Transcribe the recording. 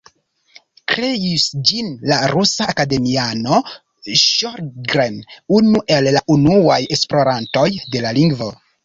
Kreis ĝin la rusa akademiano Ŝogren, unu el la unuaj esplorantoj de la lingvo.